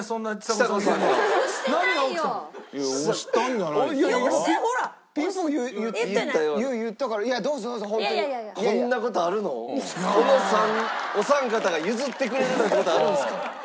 このお三方が譲ってくれるなんて事あるんですか？